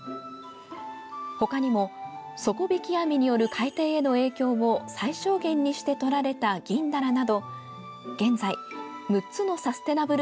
ほかにも、底引き網による海底への影響を最小限にしてとられた銀だらなど現在、６つのサステナブル